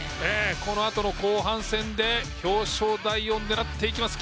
このあとの後半戦で表彰台を狙っていきます。